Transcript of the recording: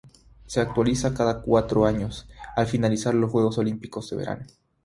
Se actualiza cada cuatro años, al finalizar los Juegos Olímpicos de verano.